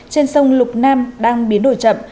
trên sông lục nam đang biến đổi chậm